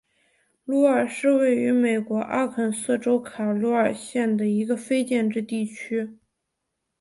鲁尔是位于美国阿肯色州卡罗尔县的一个非建制地区。